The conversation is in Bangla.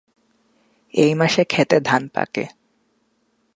এই মাসে ক্ষেতে ধান পাকে।